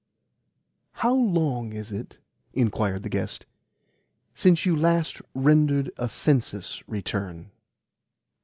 "How long is it," inquired the guest, "since you last rendered a census return?"